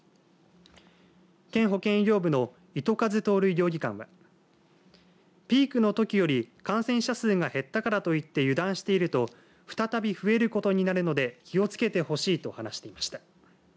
県保健医療部の糸数公医療技監はピークのときより感染者数が減ったからといって油断していると再び増えることになるので気をつけてほしいと話していました。